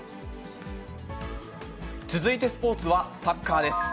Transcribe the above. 続いてスポーツは、サッカーです。